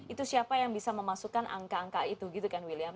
itu siapa yang bisa memasukkan angka angka itu gitu kan william